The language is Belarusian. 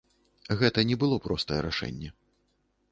Гэта не было простае рашэнне.